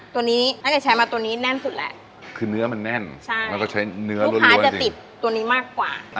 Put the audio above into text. ตัวนี้น่าจะใช้มาตัวนี้แน่นสุดแหละคือเนื้อมันแน่นใช่แล้วก็ใช้เนื้อลูกค้าจะติดตัวนี้มากกว่า